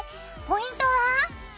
ポイントは？